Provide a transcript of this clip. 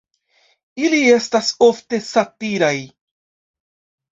Ili estas ofte satiraj.